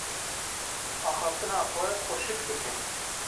Axaftina xwe xweşik bikin.